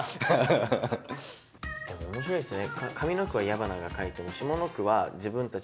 でも面白いですね